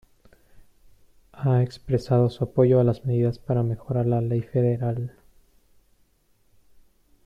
Ha expresado su apoyo a las medidas para mejorar la ley federal.